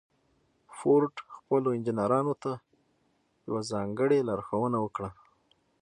فورډ خپلو انجنيرانو ته يوه ځانګړې لارښوونه وکړه.